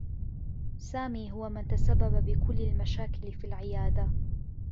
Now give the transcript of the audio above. سامي هو من تسبّب بكلّ المشاكل في العيادة.